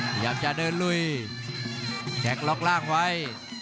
พยายามจะเดินลุยแข่งล็อกล่างไว้